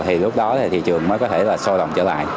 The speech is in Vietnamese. thì lúc đó thì thị trường mới có thể là sôi động trở lại